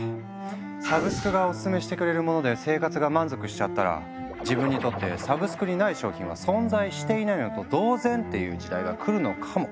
サブスクがオススメしてくれるもので生活が満足しちゃったら自分にとってサブスクにない商品は存在していないのと同然！という時代が来るのかも。